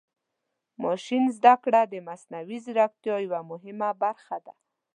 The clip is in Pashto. ماشین زده کړه د مصنوعي ځیرکتیا یوه مهمه برخه ده.